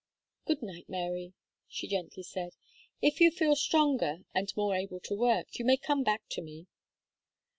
"Good night, Mary," she gently said; "if you feel stronger, and more able to work, you may come back to me."